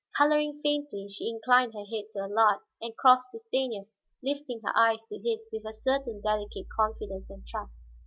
Coloring faintly, she inclined her head to Allard, and crossed to Stanief, lifting her eyes to his with a certain delicate confidence and trust.